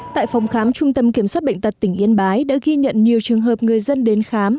tại phòng khám trung tâm kiểm soát bệnh tật tỉnh yên bái đã ghi nhận nhiều trường hợp người dân đến khám